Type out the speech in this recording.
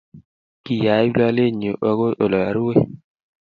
kyaib lolenyu agoi olarue